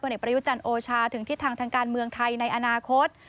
เอกประยุจันทร์โอชาถึงทิศทางทางการเมืองไทยในอนาคต